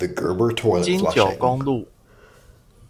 金九公路